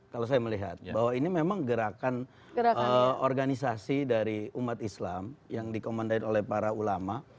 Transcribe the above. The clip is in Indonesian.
kalau saya melihat bahwa ini memang gerakan organisasi dari umat islam yang dikomandai oleh para ulama